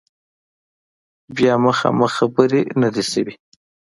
بیا مخامخ خبرې نه دي شوي